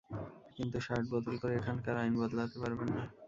কিন্তু শার্ট বদল করে এখানকার আইন বদলাতে পারবেন না।